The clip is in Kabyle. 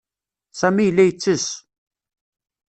Sami yella yettess.